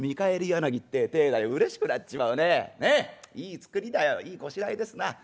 ねえいい造りだよいいこしらえですな。